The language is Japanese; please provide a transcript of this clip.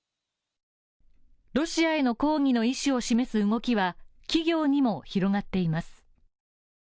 ロシアへの抗議の意思を示す動きは企業にも広がっています。